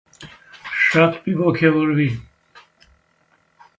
Օգտագործվում է նաև ամանեղենը մաքրելիս։